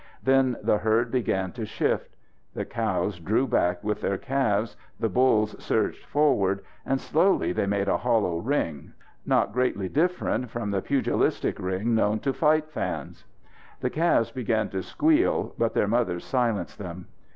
Then the herd began to shift. The cows drew back with their calves, the bulls surged forward, and slowly they made a hollow ring, not greatly different from the pugilistic ring known to fight fans. The calves began to squeal, but their mothers silenced them.